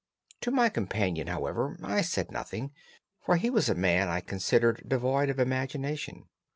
To my companion, however, I said nothing, for he was a man I considered devoid of imagination.